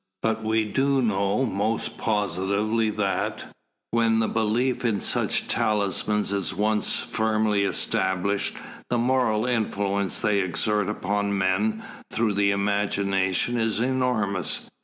But we do know most positively that, when the belief in such talismans is once firmly established, the moral influence they exert upon men through the imagination is enormous.